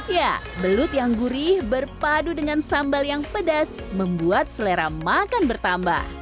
ya belut yang gurih berpadu dengan sambal yang pedas membuat selera makan bertambah